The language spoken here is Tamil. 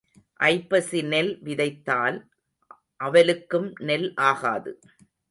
ஐப்பசி நெல் விதைத்தால் அவலுக்கும் நெல் ஆகாது.